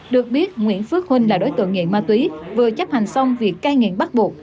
được biết nguyễn phước huynh là đối tượng nghiện ma túy vừa chấp hành xong việc cai nghiện bắt buộc